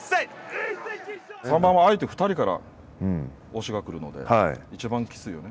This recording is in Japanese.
３番は相手２人から押しが来るのでいちばんきついよね。